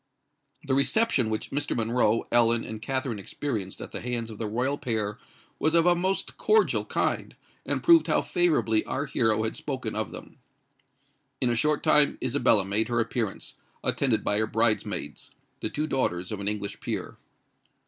The reception which Mr. Monroe, Ellen, and Katherine experienced at the hands of the royal pair was of a most cordial kind, and proved how favourably our hero had spoken of them. In a short time Isabella made her appearance, attended by her bridemaids—the two daughters of an English peer.